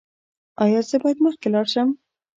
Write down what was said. ایا زه باید مخکې لاړ شم؟